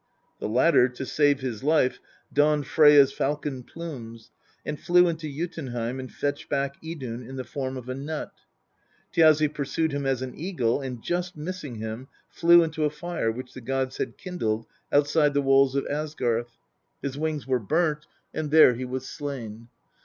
The latter, to save his life, donned Freyja's falcon plumes and flew into Jotunheim, and fetched back Idun in the form of a nut. Thiazi pur sued him as an eagle, and, just missing him, flew into a fire which the gods had kindled outside the walls of Asgarth. His wings were burnt, INTRODUCTION. i.xxi and there he was slain.